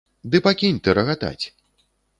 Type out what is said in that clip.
Ды пакінь ты рагатаць.